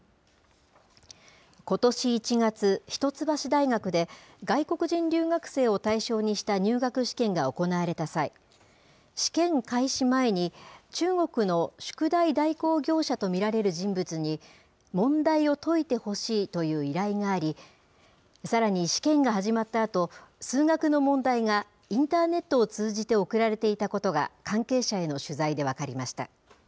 ことし１月、一橋大学で、外国人留学生を対象にした入学試験が行われた際、試験開始前に、中国の宿題代行業者と見られる人物に、問題を解いてほしいという依頼があり、さらに、試験が始まったあと、数学の問題がインターネットを通じて送られていたことが、関係者への取材で分かりました。